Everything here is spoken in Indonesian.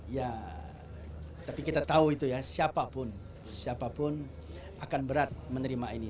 ya tapi kita tahu itu ya siapapun siapapun akan berat menerima ini